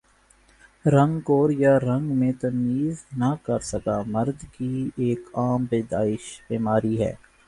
رنگ کور یا رنگ میں تمیز نہ کر سکہ مرد کی ایک عام پیدائش بیماری ہے